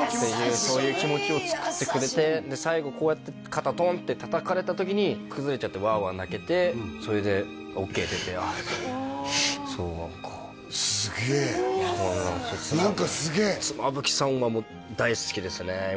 優しいそういう気持ちを作ってくれてで最後こうやって肩トンって叩かれた時に崩れちゃってワーワー泣けてそれでオッケー出てすげえ何かすげえ妻夫木さんはもう大好きですね